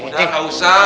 udah gak usah